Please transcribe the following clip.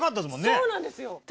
そうなんですよ。